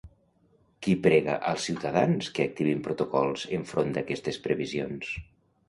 Qui prega als ciutadans que activin protocols enfront d'aquestes previsions?